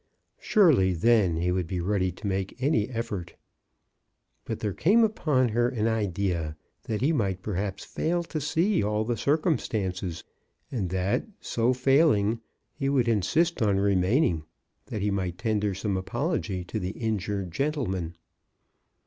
Surely then he would be ready to make any effort. But there came upon her an idea that he might perhaps fail to see all the circumstances, and that, so failing, he would in sist on remaining that he might tender some apology to the injured gentleman.